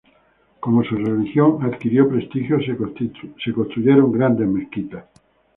Como su religión adquirió prestigio, se construyeron grandes mezquitas.